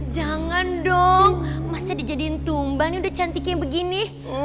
jangan dong masa di jeliin tumbalnya cantiknya begini